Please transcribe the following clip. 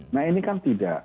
nah ini kan tidak